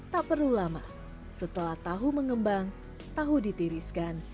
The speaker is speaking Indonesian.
tak perlu lama setelah tahu mengembang tahu ditiriskan